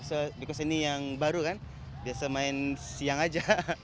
karena ini yang baru kan biasa main siang aja